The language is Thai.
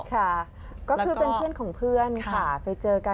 ค่ะก็คือเป็นเพื่อนของเพื่อนค่ะไปเจอกัน